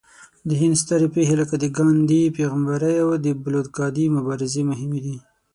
د هند سترې پېښې لکه د ګاندهي پیغمبرۍ او د بلوکادي مبارزې مهمې دي.